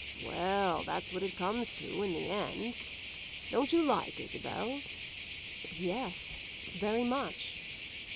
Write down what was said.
"Well, that's what it comes to in the end. Don't you like Isabel?" "Yes, very much."